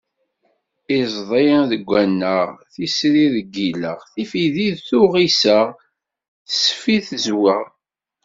Iẓdi deg waneɣ, tisri deg yileɣ, tifidi tuɣ iseɣ, tisfi d tezweɣ.